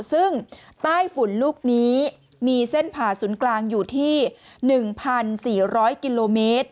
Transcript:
ซึ่งใต้ฝุ่นลูกนี้มีเส้นผ่าศูนย์กลางอยู่ที่๑๔๐๐กิโลเมตร